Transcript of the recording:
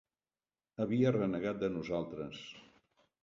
Havia renegat de nosaltres.